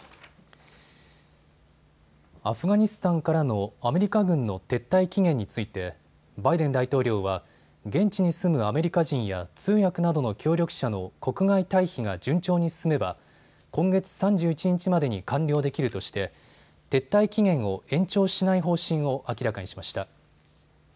アフガニスタンからのアメリカ軍の撤退期限についてバイデン大統領は現地に住むアメリカ人や通訳などの協力者の国外退避が順調に進めば今月３１日までに完了できるとして撤退期限を延長しない方針を明らかにしました。